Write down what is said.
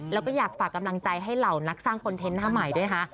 แล้วก็อยากฝากกำลังใจให้เหล่านักสร้างคอนเทนต์หน้าใหม่ด้วยค่ะ